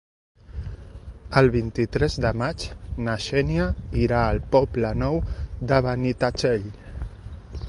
El vint-i-tres de maig na Xènia irà al Poble Nou de Benitatxell.